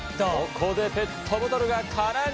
ここでペットボトルが空に。